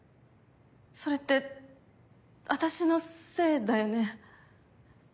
それって私のせいだよね？